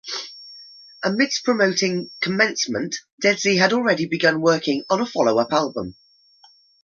Amidst promoting "Commencement", Deadsy had already begun working on a follow-up album.